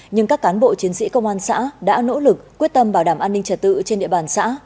nhưng các cán bộ chiến sĩ công an xã đã nỗ lực quyết tâm bảo đảm an ninh trật tự trên địa bàn xã